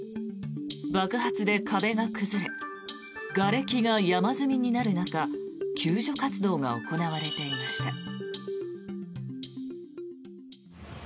爆発で壁が崩れがれきが山積みになる中救助活動が行われていました。